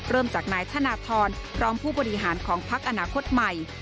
เริ่มจากนายธนทรพร้อมผู้บริหารของพักอนาคตใหม่